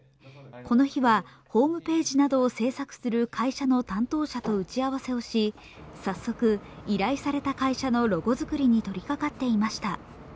この日は、ホームページなどを制作する会社の担当者と打ち合わせをし、早速、依頼された会社のロゴ作りに取りかかっていました。